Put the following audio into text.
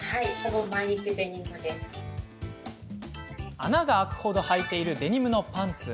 穴が開くほど、はいているデニムのパンツ。